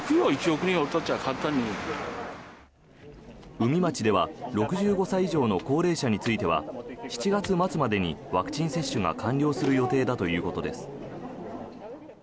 宇美町では６５歳以上の高齢者については７月末までにワクチン接種が完了する予定だということです。